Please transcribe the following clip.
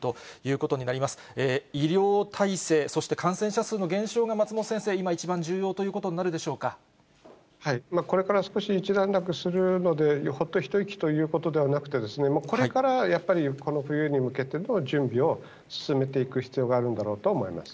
これから少し一段落するので、ほっと一息ということではなくて、もう、これからやっぱり、この冬に向けての準備を進めていく必要があるんだろうと思います。